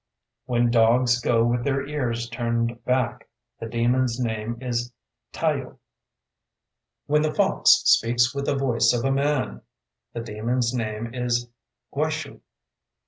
"When dogs go with their ears turned back, the demon's name is Taiyō. "When the Fox speaks with the voice of a man, the demon's name is Gwaish≈´.